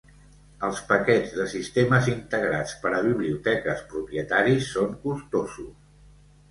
Els paquets de sistemes integrats per a biblioteques propietaris són costosos.